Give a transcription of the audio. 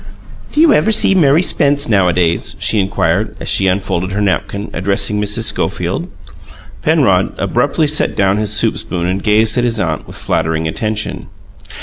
"Do you ever see Mary Spence nowadays?" she inquired, as she unfolded her napkin, addressing Mrs. Schofield. Penrod abruptly set down his soup spoon and gazed at his aunt with flattering attention.